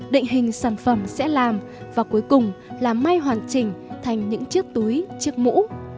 định hình sản phẩm sẽ làm và cuối cùng là may hoàn chỉnh thành những chiếc túi chiếc mũ